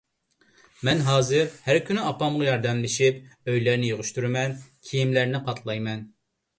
مەن ھازىر ھەر كۈنى ئاپامغا ياردەملىشىپ ئۆيلەرنى يىغىشتۇرىمەن، كىيىملەرنى قاتلايمەن.